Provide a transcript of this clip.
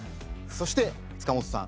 そして塚本さん。